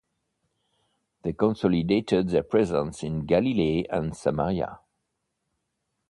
They consolidated their presence in Galilee and Samaria.